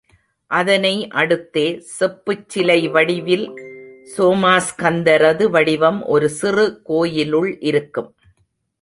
அதனை அடுத்தே செப்புச் சிலை வடிவில் சோமாஸ்கந்தரது வடிவம் ஒரு சிறு கோயிலுள் இருக்கும்.